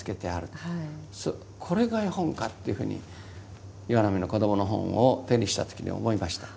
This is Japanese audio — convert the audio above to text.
これが絵本かっていうふうに岩波の子どもの本を手にした時に思いました。